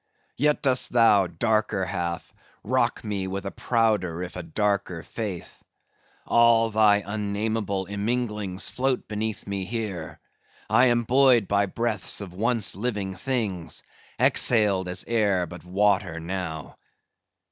Yet dost thou, darker half, rock me with a prouder, if a darker faith. All thy unnamable imminglings float beneath me here; I am buoyed by breaths of once living things, exhaled as air, but water now.